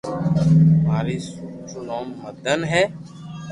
ماري سوٽ رو نوم مدن ھي